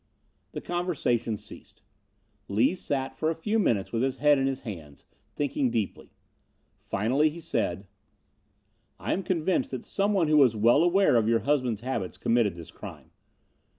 The conversation ceased. Lees sat for a few minutes with his head in his hands, thinking deeply. Finally he said: "I am convinced that someone who was well aware of your husband's habits committed this crime.